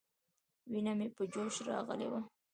وينه مې په جوش راغلې وه.